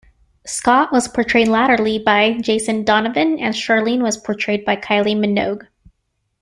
Scott was portrayed latterly by Jason Donovan, and Charlene was portrayed by Kylie Minogue.